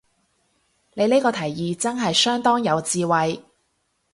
你呢個提議真係相當有智慧